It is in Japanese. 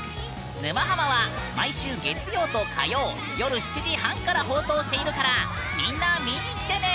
「沼ハマ」は毎週月曜と火曜夜７時半から放送しているからみんな見にきてね！